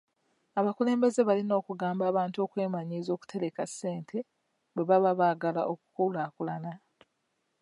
Abakulembeze balina okugamba abantu okwemanyiiza okutereka ssente bwe baba gaagala okukulaakulana.